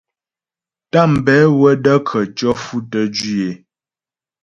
Tàmbɛ wə də́ khətʉɔ̌ fʉtəm jwǐ é.